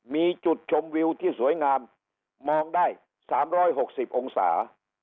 มีจุดชมวิวที่สวยงามมองได้สามร้อยหกสิบองศา